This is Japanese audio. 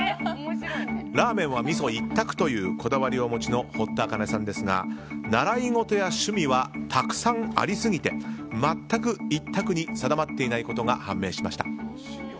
ラーメンはみそ一択というこだわりをお持ちの堀田茜さんですが習い事や趣味はたくさんありすぎて全く一択に定まっていないことが判明しました。